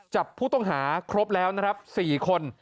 จับผู้ต้องหาครบแล้วนะครับ๔คน